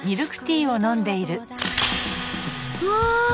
うわ！